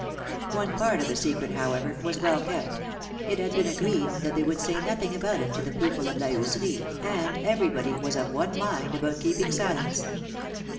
One part of the secret, however, was well kept: it had been agreed th.at they would say nothing about it to the people of La Heuserie, and everybody was of one mind about keeping silence.